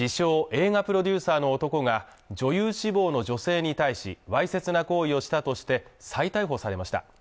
映画プロデューサーの男が女優志望の女性に対しわいせつな行為をしたとして再逮捕されました